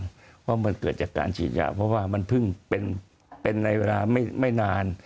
เพราะมันเกิดจากการฉีดยาเพราะว่ามันเพิ่งเป็นในเวลาไม่นาน